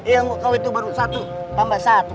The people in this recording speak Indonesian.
yang kau itu baru satu tambah satu